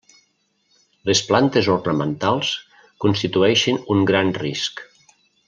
Les plantes ornamentals constitueixen un gran risc.